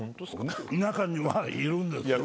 中にはいるんですよ。